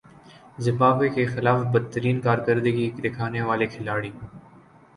Zimbabwe کے خلاف بدترین کارکردگی دکھانے والے کھلاڑی